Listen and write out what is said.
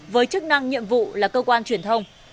với chức năng nhiệm vụ là cơ quan truyền thông